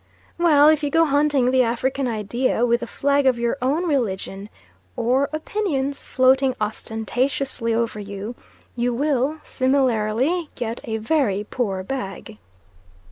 Well, if you go hunting the African idea with the flag of your own religion or opinions floating ostentatiously over you, you will similarly get a very poor bag.